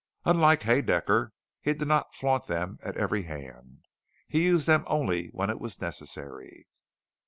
Unlike Haedaecker, he did not flaunt them at every hand. He used them only when it was necessary.